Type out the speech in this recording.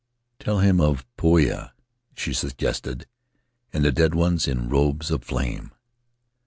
"Tell him of Poia," she suggested, "and the dead ones in robes of flame."